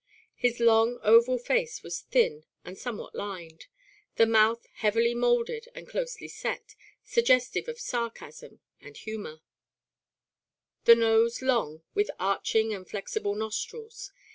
His long oval face was thin and somewhat lined, the mouth heavily moulded and closely set, suggestive of sarcasm and humor; the nose long, with arching and flexible nostrils.